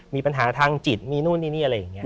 มีปัญหาทางจิตมีนู่นนี่นี่อะไรอย่างนี้